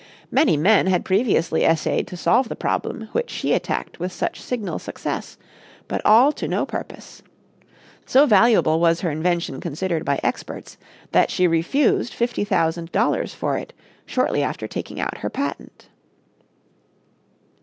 Many men had previously essayed to solve the problem which she attacked with such signal success, but all to no purpose. So valuable was her invention considered by experts that she refused fifty thousand dollars for it shortly after taking out her patent.